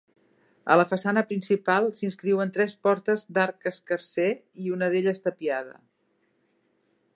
A la façana principal, s'inscriuen tres portes d'arc escarser, una d'elles tapiada.